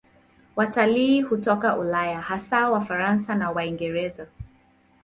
Watalii hutoka Ulaya, hasa Wafaransa na Waingereza.